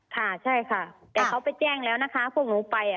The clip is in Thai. ค่ะใช่ค่ะแต่เขาไปแจ้งแล้วนะคะพวกหนูไป